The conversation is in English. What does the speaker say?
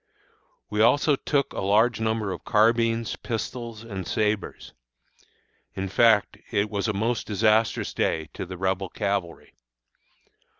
We also took a large number of carbines, pistols, and sabres. In fact, it was a most disastrous day to the Rebel cavalry.